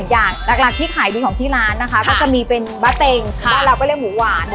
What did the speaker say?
อย่างหลักที่ขายดีของที่ร้านนะคะก็จะมีเป็นบะเต็งบ้านเราก็เรียกหมูหวาน